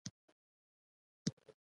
قلم د ښو زدهکړو نښه ده